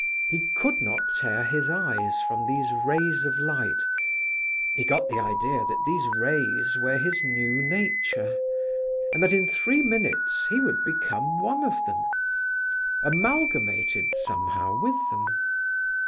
He could not tear his eyes from these rays of light; he got the idea that these rays were his new nature, and that in three minutes he would become one of them, amalgamated somehow with them.